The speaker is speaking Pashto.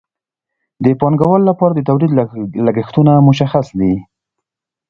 د پانګوال لپاره د تولید لګښتونه مشخص دي